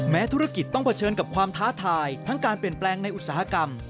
ธุรกิจต้องเผชิญกับความท้าทายทั้งการเปลี่ยนแปลงในอุตสาหกรรม